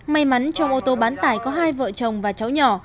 may mắn trong ô tô bán tải có hai vợ chồng và cháu nhỏ